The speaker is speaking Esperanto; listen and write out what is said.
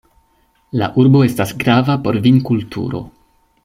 La urbo estas grava por vinkulturo.